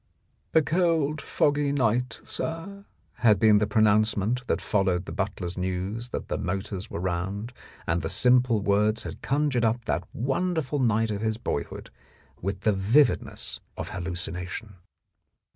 "A cold, foggy night, sir," had been the pro nouncement that followed the butler's news that the motors were round, and the simple words had con jured up that wonderful night of his boyhood with the vividness of hallucination.